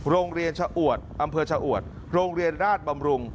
โรงเรียนชะอวดอำเภอชะอวดโรงเรียนราชบำรุง